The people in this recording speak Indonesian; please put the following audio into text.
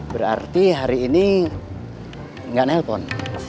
berarti hari ini gak nelfon